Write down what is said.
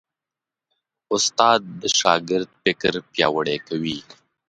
استاد د شاګرد فکر پیاوړی کوي.